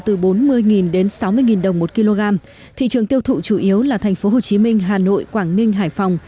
từ bốn mươi đến sáu mươi đồng một kg thị trường tiêu thụ chủ yếu là thành phố hồ chí minh hà nội quảng ninh hải phòng